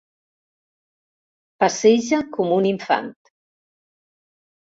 Passeja com un infant.